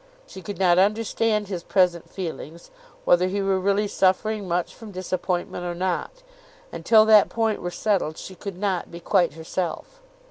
She could not understand his present feelings, whether he were really suffering much from disappointment or not; and till that point were settled, she could not be quite herself.